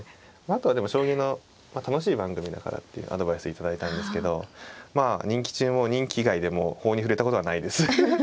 あとはでも将棋の楽しい番組だからっていうアドバイス頂いたんですけどまあ任期中も任期以外でも法に触れたことはないです。